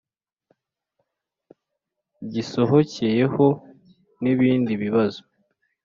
gisohokeyeho nibindi bibazo,